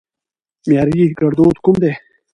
معياري ګړدود کوم دي؟